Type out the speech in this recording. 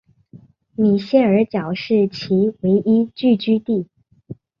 米歇尔角是其唯一聚居地。